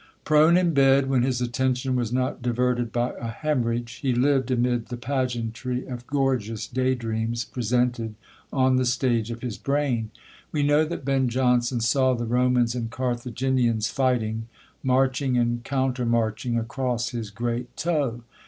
Prone in bed, when his attention was not diverted by a hemorrhage, he lived amid the pageantry of gorgeous day dreams, presented on the stage of his brain. We know that Ben Jonson saw the Romans and Carthaginians fighting, marching and countermarching, across his great toe.